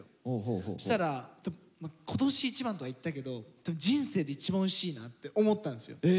そしたら今年一番とは言ったけど人生で一番おいしいなって思ったんですよ